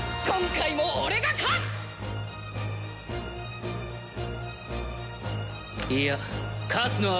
今回も俺が勝つ！